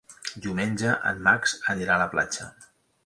Diumenge en Max anirà a la platja.